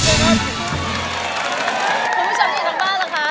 คุณผู้ชมดีทั้งบ้างนะคะ